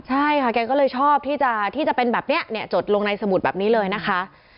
ใช่ค่ะแกก็เลยชอบที่จะเป็นแบบนี้จดลงในสมุดแบบนี้เลยนะคะ